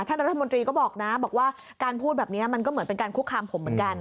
ท่านรัฐมนตรีก็บอกนะบอกว่าการพูดแบบนี้มันก็เหมือนเป็นการคุกคามผมเหมือนกัน